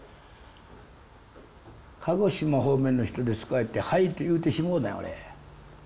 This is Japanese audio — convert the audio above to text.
鹿児島方面の人ですかいってはいって言うてしもうたんや俺。